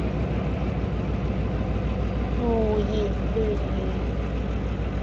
胡言亂語